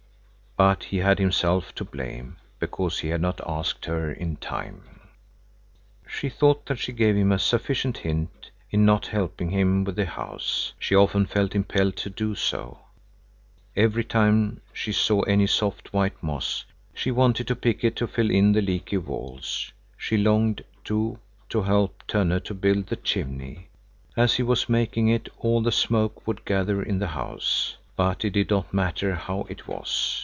But he had himself to blame, because he had not asked her in time. She thought that she gave him a sufficient hint in not helping him with the house. She often felt impelled to do so. Every time she saw any soft, white moss, she wanted to pick it to fill in the leaky walls. She longed, too, to help Tönne to build the chimney. As he was making it, all the smoke would gather in the house. But it did not matter how it was.